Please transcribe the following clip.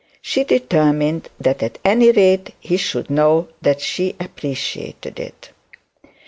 She determined that at any rate he should know that she appreciated it.